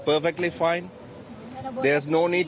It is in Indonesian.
mereka akan baik dengan baik